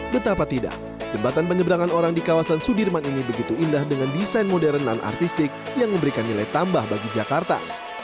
betapa tidak jembatan penyeberangan orang di kawasan sudirman ini begitu indah dengan desain modern dan artistik yang memberikan nilai tambah bagi jakarta